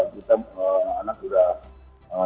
kita anak sudah